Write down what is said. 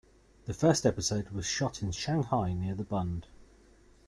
The first episode was shot in Shanghai near The Bund.